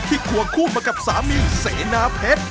ที่ควงคู่มากับตัวสามีเสนาเผ็ด